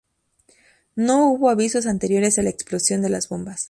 No hubo avisos anteriores a la explosión de las bombas.